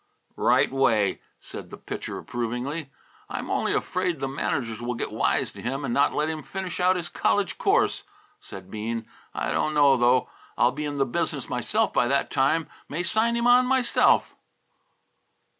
"Right way," said the Pitcher approvingly. "I'm only afraid the managers will get wise to him and not let him finish out his college course," said Bean. "I don't know, though. I'll be in the business myself by that time; may sign him on myself."